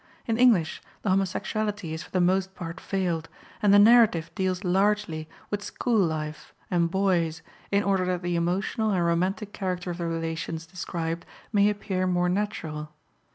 In English the homosexuality is for the most part veiled and the narrative deals largely with school life and boys in order that the emotional and romantic character of the relations described may appear more natural.